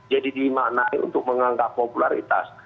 jadi dimaknai untuk menganggap popularitas